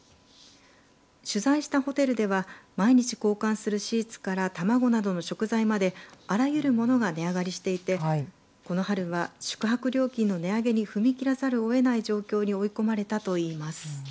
取材したホテルでは毎日交換するシーツから卵などの食材まであらゆるものが値上がりしていてこの春は宿泊料金の値上げに踏み切らざるをえない状況に追い込まれたといいます。